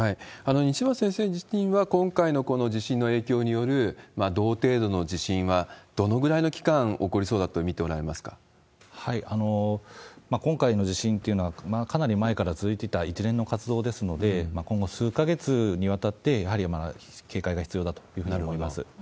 西村先生自身は、今回のこの地震の影響による同程度の地震はどのぐらいの期間起こ今回の地震というのは、かなり前から続いてた一連の活動ですので、今後数か月にわたって、やはり警戒が必要だというふうに思います。